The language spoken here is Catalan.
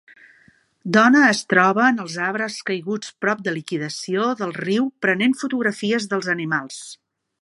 Dona es troba en els arbres caiguts prop de liquidació del riu prenent fotografies dels animals